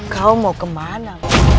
kau mau kemana